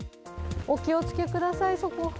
お気をつけください、そこ。